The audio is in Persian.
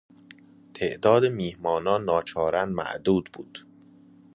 تعداد میهمانان ناچارا معدود بود.